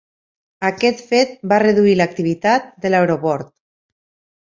Aquest fet va reduir l'activitat de l'aeroport.